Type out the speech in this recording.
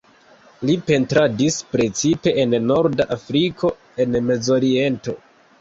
Li pentradis precipe en norda Afriko en Mezoriento.